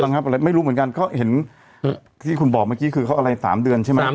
อะไรไม่รู้เหมือนกันเขาเห็นที่คุณบอกเมื่อกี้คือเขาอะไร๓เดือนใช่ไหม